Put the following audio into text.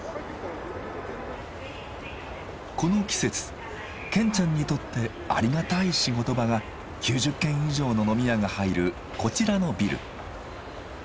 この季節ケンちゃんにとってありがたい仕事場が９０軒以上の飲み屋が入るこちらのビル。